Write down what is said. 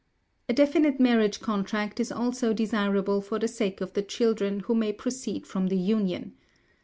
A definite marriage contract is also desirable for the sake of the children who may proceed from the union.